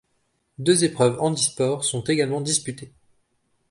Deux épreuves handisport sont également disputées.